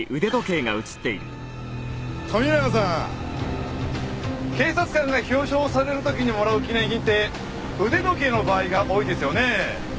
富永さん警察官が表彰される時にもらう記念品って腕時計の場合が多いですよね。